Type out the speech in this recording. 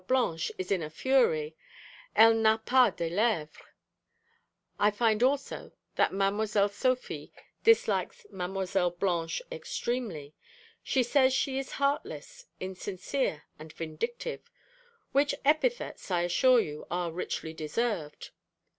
Blanche is in a fury "elle n'a pas de lèvres." I find also that Mlle. Sophie dislikes Mlle. Blanche extremely. She says she is heartless, insincere and vindictive, which epithets, I assure you, are richly deserved.